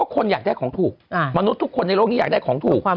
คนอยากได้ของถูกมนุษย์ทุกคนในโลกนี้อยากได้ของถูก